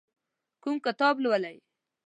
کوم کتاب لولئ؟